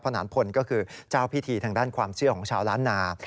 นานพลก็คือเจ้าพิธีทางด้านความเชื่อของชาวล้านนา